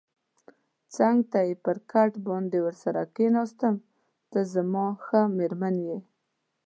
څنګ ته یې پر کټ باندې ورسره کېناستم، ته زما ښه مېرمن یې.